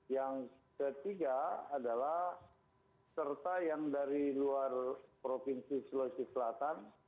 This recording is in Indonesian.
yang ketiga adalah serta yang dari luar provinsi sulawesi selatan